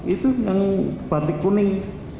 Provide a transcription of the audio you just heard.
itu yang batik kuning